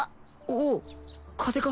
おお風邪か？